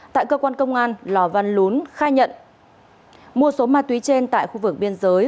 tại cơ quan công an lò văn lún khai nhận mua số ma túy trên tại khu vực biên giới